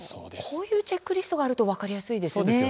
こういうチェックリストがあると分かりやすいですね。